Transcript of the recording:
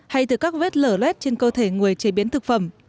hay từ các vết lở lét trên cơ thể người chế biến thực phẩm